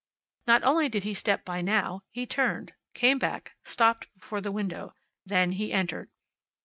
Not only did he step by now; he turned, came back; stopped before the window. Then he entered.